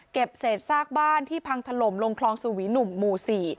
เศษซากบ้านที่พังถล่มลงคลองสวีหนุ่มหมู่๔